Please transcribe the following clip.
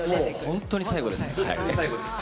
本当に最後の方ですね。